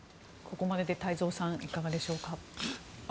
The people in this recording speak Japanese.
ここまでで太蔵さんいかがでしょうか。